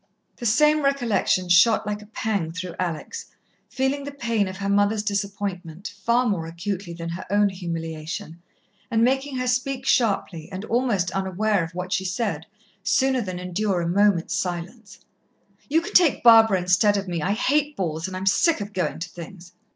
The same recollection shot like a pang through Alex, feeling the pain of her mother's disappointment far more acutely than her own humiliation, and making her speak sharply, and almost unaware of what she said, sooner than endure a moment's silence: "You can take Barbara instead of me. I hate balls and I'm sick of going to things."